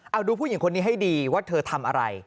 เอาดูผู้หญิงคนนี้ให้ดีว่าเธอทำอะไร